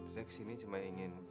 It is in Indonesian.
saya kesini cuma ingin